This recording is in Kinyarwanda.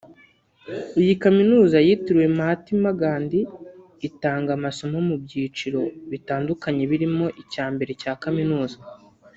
Iyi Kaminuza yitiriwe Mahatma Gandhi itanga amasomo mu byiciro bitandukanye birimo icya mbere cya kaminuza